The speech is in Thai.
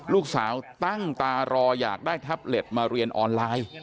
ลูกสาวตั้งตารออยากได้แท็บเล็ตมาเรียนออนไลน์